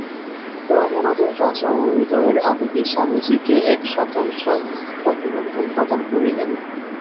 রামনাদের রাজাও হৃদয়ের আবেগে স্বামীজীকে এক স্বতন্ত্র অভিনন্দন প্রদান করিলেন।